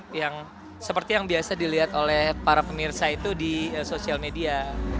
yang seperti yang biasa dilihat oleh para pemirsa itu di sosial media